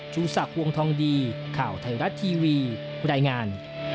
จุศักรวงทองดีข่าวไทยรัฐทีวีพุทัยงาน